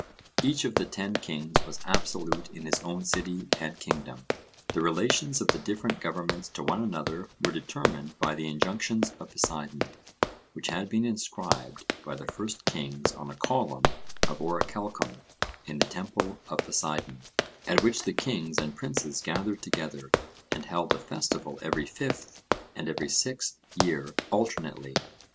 Each of the ten kings was absolute in his own city and kingdom. The relations of the different governments to one another were determined by the injunctions of Poseidon, which had been inscribed by the first kings on a column of orichalcum in the temple of Poseidon, at which the kings and princes gathered together and held a festival every fifth and every sixth year alternately.